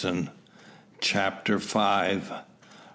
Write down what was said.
CHAPTER FIVE.